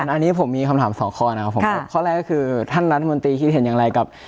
อันนี้ผมมีคำถามสองข้อนะครับผมข้อแรกก็คือท่านรัฐมนตรีคิดเห็นอย่างไรกับ